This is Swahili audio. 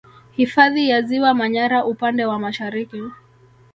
Hifadhi ya ziwa Manyara upande wa Mashariki